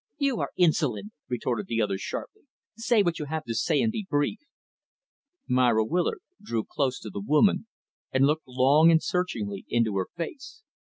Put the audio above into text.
"You are insolent," retorted the other, sharply. "Say what you have to say and be brief." Myra Willard drew close to the woman and looked long and searchingly into her face.